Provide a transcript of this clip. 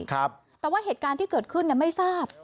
แต่ว่าเหตุการณ์ที่เกิดขึ้นไม่ทราบ